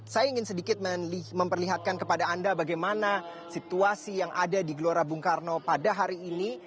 saya ingin sedikit memperlihatkan kepada anda bagaimana situasi yang ada di gelora bung karno pada hari ini